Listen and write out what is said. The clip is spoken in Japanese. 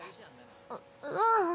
ううん。